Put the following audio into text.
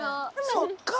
そっから？